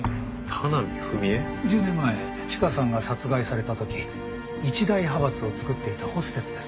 １０年前チカさんが殺害された時一大派閥を作っていたホステスです。